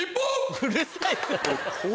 うるさいな。